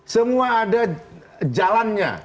semua ada jalannya